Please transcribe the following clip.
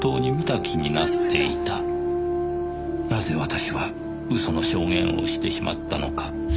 「なぜ私は嘘の証言をしてしまったのか」